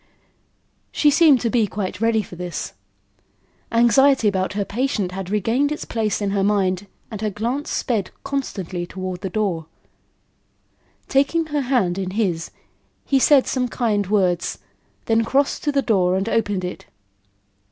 She seemed to be quite ready for this. Anxiety about her patient had regained its place in her mind and her glance sped constantly toward the door. Taking her hand in his, he said some kind words, then crossed to the door and opened it.